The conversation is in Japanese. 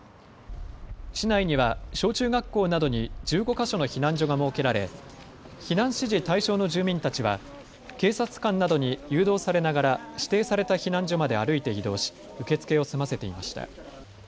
市内には小中学校などに１５か所の避難所が設けられ避難指示対象の住民たちは警察官などに誘導されながら指定された避難所まで歩いて移動し受け付けを済ませていました。